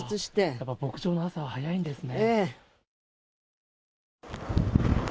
やっぱ牧場の朝は早いんですね。